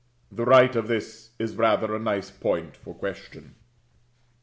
The right of this is rather a nice point for question.